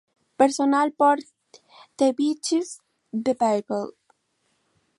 Personal por The Beatles Bible.